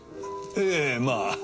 ええまあ。